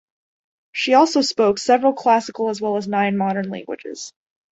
She also spoke several classical as well as nine modern languages.